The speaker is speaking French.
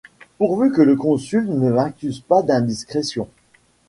Pourvu que le Consul ne m'accuse pas d'indiscrétion !